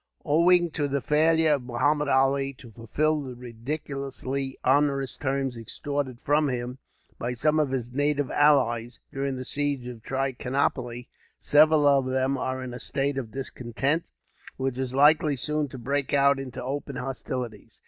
Owing to the failure, of Muhammud Ali, to fulfil the ridiculously onerous terms extorted from him, by some of his native allies, during the siege of Trichinopoli, several of them are in a state of discontent, which is likely soon to break out into open hostilities.